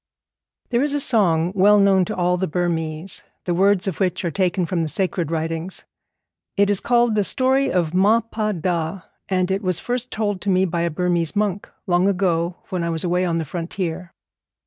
_ There is a song well known to all the Burmese, the words of which are taken from the sacred writings. It is called the story of Ma Pa Da, and it was first told to me by a Burmese monk, long ago, when I was away on the frontier.